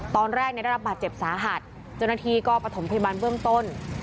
ตอนแรกได้รับบาดเจ็บสาหัสเจ้าหน้าที่ก็ประถมพยาบาลเบื้องต้น